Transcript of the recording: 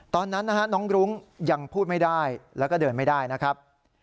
ตอนนั้นนะฮะน้องรุ้งยังพูดไม่ได้แล้วก็เดินไม่ได้นะครับ